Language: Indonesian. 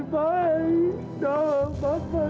padahal ingin makan sakit lightareth